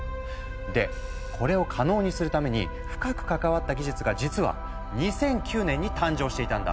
でこれを可能にするために深く関わった技術が実は２００９年に誕生していたんだ。